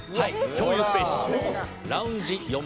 「共有スペース。